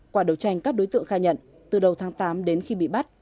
qua đấu tranh các đối tượng khai nhận từ đầu tháng tám đến khi bị bắt